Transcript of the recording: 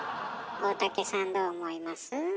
大竹さんどう思います？